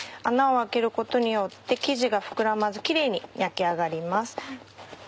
穴を開けることによって生地が膨らまずキレイに焼き上がります。